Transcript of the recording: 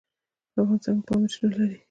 په افغانستان کې پامیر شتون لري.